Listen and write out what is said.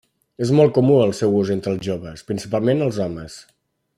És molt comú el seu ús entre els joves, principalment els homes.